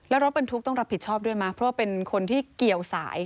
แล้วรถบรรทุกต้องรับผิดชอบด้วยไหมเพราะว่าเป็นคนที่เกี่ยวสาย